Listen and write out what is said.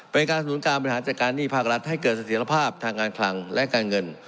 เป็นการสนุนการบริหารจัดการหนี้ภาครัฐให้เกิดเสถียรภาพทางการคลังและการเงิน